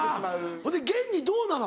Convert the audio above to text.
ほんで現にどうなの？